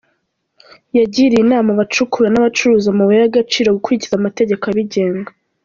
Yagiriye inama abacukura n’abacuruza amabuye y’agaciro gukurikiza amategeko abigenga.